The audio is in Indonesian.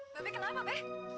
bape kenapa bape